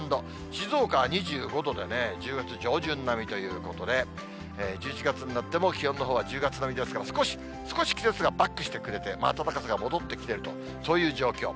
静岡は２５度でね、１０月上旬並みということで、１１月になっても、気温のほうは１０月並みですから、少し、少し季節がバックしてくれて、暖かさが戻ってきていると、そういう状況。